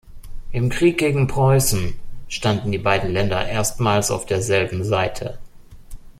Im Krieg gegen Preußen standen die beiden Länder erstmals auf derselben Seite.